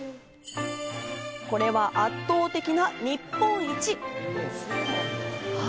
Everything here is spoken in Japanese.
これは圧倒的な日本一。